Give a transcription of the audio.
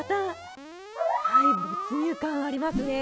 没入感ありますね。